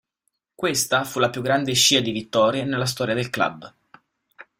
Questa fu la più grande scia di vittorie nella storia del club.